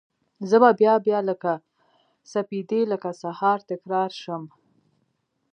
زه به بیا، بیا لکه سپیدې لکه سهار، تکرار شم